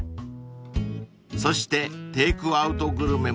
［そしてテークアウトグルメも充実］